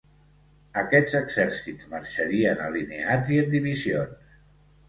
Aquests exèrcits marxarien alineats i en divisions.